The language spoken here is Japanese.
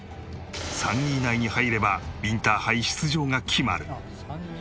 ３位以内に入ればインターハイ出場が決まる。